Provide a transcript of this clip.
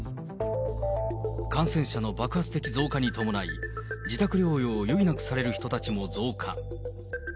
感染者の爆発的増加に伴い、自宅療養を余儀なくされる人たちも増加。